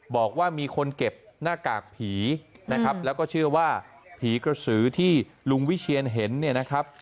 บอกว่ามีคนเก็บหน้ากากผีนะครับแล้วก็เชื่อว่าผีกระสือที่ลุงวิเชียนเห็นเนี่ยนะครับ